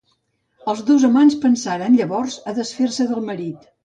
Els dos amants pensaran llavors a desfer-se del marit.